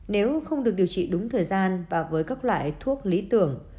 nếu không được điều trị đúng thời gian và với các loại thuốc lý tưởng